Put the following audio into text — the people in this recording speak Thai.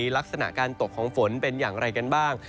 ลักษณะการตกของฝนเป็นอย่างไรกันบ้าง